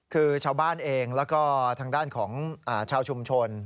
คือชาวบ้านเองแล้วก็ทางด้านของชาวชุมชน